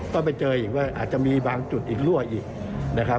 ก็ไปเจออาจจะมีบางจุดอีกรั่วอีก